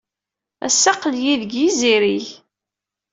Ass-a, aql-iyi deg yizirig.